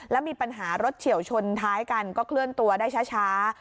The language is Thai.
แล้วมีปัญหารถเฉียวชนท้ายกันก็เคลื่อนตัวได้ช้า